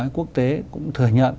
quốc tế cũng thừa nhận